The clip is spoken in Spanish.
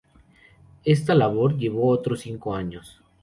Esta labor llevó otros cinco años.